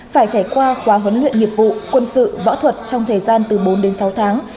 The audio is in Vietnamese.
phải trải qua khóa huấn luyện nghiệp vụ quân sự võ thuật trong thời gian từ bốn đến sáu tháng